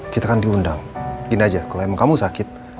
kita kan diundang gini aja kalo emang kamu sakit